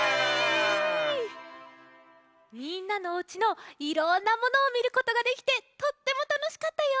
みんなのおうちのいろんなモノをみることができてとってもたのしかったよ！